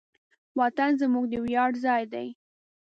وطن زموږ د ویاړ ځای دی.